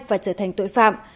và trở thành tội phạm